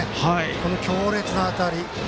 この強烈な当たり。